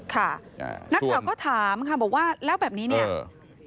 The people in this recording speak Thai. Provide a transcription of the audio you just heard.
ครับนักข่าวก็ถามแล้วแบบนี้ครับ